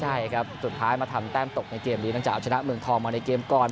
ใช่ครับสุดท้ายมาทำแต้มตกในเกมนี้หลังจากเอาชนะเมืองทองมาในเกมก่อน